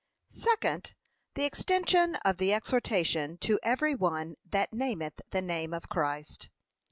[SECOND, THE EXTENSION OF THE EXHORTATION TO EVERY ONE THAT NAMETH THE NAME OF CHRIST.